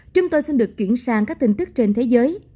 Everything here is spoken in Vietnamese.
chúng tôi xin được chuyển sang các tin tức trên thế giới